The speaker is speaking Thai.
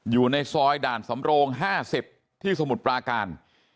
อยู่ในซอยด่านสำโรง๕๐ที่สมุทรปราการ